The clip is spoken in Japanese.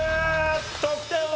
得点は？